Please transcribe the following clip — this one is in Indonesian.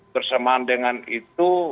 bersamaan dengan itu